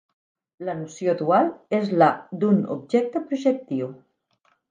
La noció dual és la d'un objecte projectiu.